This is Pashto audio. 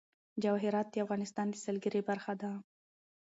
جواهرات د افغانستان د سیلګرۍ برخه ده.